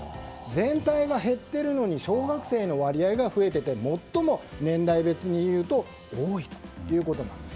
全体は減っているのに小学生の割合が増えていて最も、年代別でいうと多いということなんです。